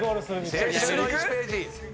青春の１ページ。